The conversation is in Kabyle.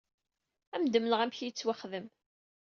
Ad m-d-mleɣ amek i yettwaxdem.